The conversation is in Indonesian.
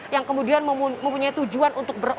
yang kemudian mempunyai tujuan untuk beroper